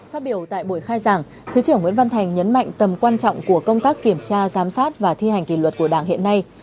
phát biểu tại buổi khai giảng thứ trưởng nguyễn văn thành nhấn mạnh tầm quan trọng của công tác kiểm tra giám sát và thi hành kỳ luật của đảng hiện nay